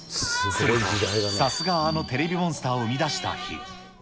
さすがあのテレビモンスターを生み出した日。